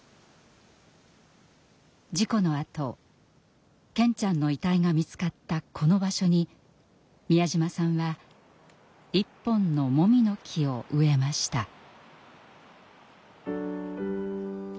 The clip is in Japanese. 事故のあと健ちゃんの遺体が見つかったこの場所に美谷島さんは１本のもみの木を植えました。